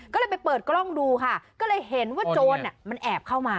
ก็เลยไปเปิดกล้องดูค่ะก็เลยเห็นว่าโจรมันแอบเข้ามา